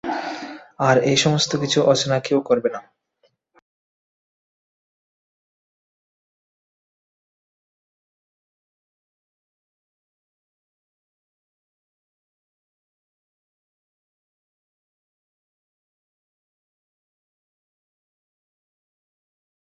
শুরুর দিকে সতীর্থ ম্যাথু হেইডেন কিংবা মাইক হাসির কাছ থেকে শিখতাম।